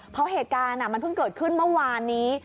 เพราะเหตุการณ์มันเพิ่งเกิดขึ้นเมื่อวานนี้